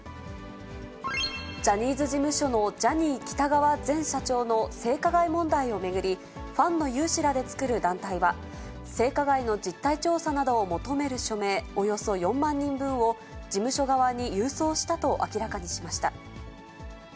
ジャニーズ事務所のジャニー喜多川前社長の性加害問題を巡り、ファンの有志らで作る団体は、性加害の実態調査などを求める署名およそ４万人分を、事務所側に郵送したと明らかにしました。